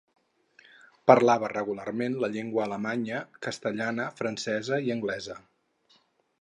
Parlava regularment la llengua alemanya, castellana, francesa i anglesa.